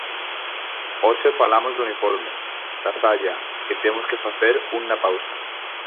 Hoxe falamos do uniforme, da saia, e temos que facer unha pausa.